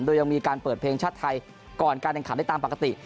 โดยยังมีการเปิดเพลงชาติไทยก่อนการแข่งขันได้ตามปกติ